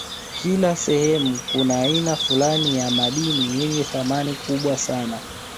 Kila sehemu kuna aina fulani ya madini yenye thamani kubwa sana